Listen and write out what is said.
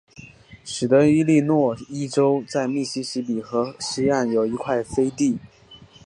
使得伊利诺伊州在密西西比河西岸有一块飞地。